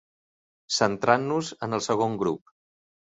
Centrant-nos en el segon grup.